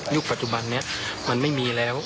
ปัจจุบันนี้มันไม่มีแล้ว